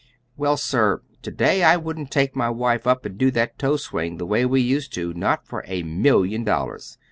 "Well, sir, to day I wouldn't take my wife up and do that toe swing the way we used to, not for a million dollars.